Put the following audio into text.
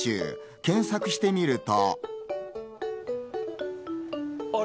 検索してみると。